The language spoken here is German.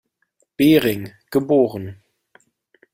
Bering, geboren.